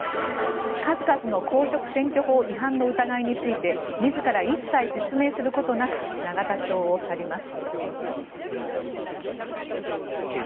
数々の公職選挙法違反の疑いについて自ら一切説明することなく永田町を去ります。